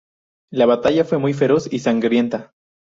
La batalla fue muy feroz y sangrienta.